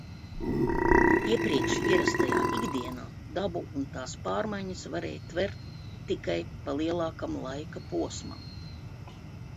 Iepriekš ierastajā ikdienā dabu un tās pārmaiņas varēja tvert tikai pa lielākam laika posmam.